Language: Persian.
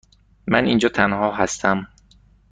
من اینجا تنها هستم.